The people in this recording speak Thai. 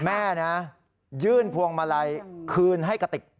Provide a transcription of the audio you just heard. แม่นะยื่นพวงมาลัยคืนให้กระติก